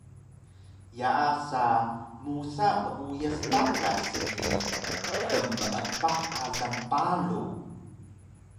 yaasa musa meuyas patas ni qmeepah alang paru